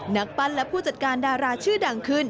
นักปั้นและผู้จัดการดาราชื่อดังขึ้น